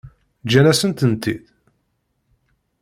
Ǧǧan-asen-tent-id?